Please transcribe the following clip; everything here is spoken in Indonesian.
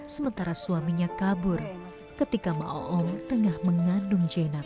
sementara suaminya kabur ketika ma'oom tengah mengandung jenab